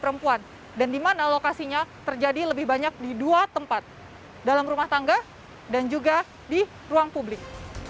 perempuan dan dimana lokasinya terjadi lebih banyak di dua tempat dalam rumah tangga dan juga di ruang publik